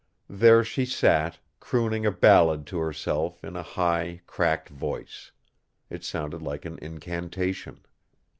There she sat, crooning a ballad to herself in a high, cracked voice. It sounded like an incantation.